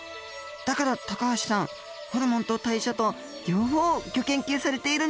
だから高橋さんホルモンと代謝と両方をギョ研究されているんですね。